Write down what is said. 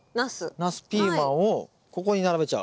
ナスピーマンをここに並べちゃう。